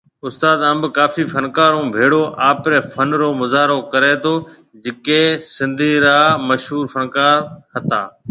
استاد انب ڪافي فنڪارون ڀيڙو آپري فن رو مظاھرو ڪرتو جڪي سنڌ را مشھور فنڪار ھتا